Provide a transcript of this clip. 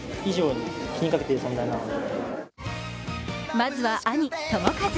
まずは兄・智和。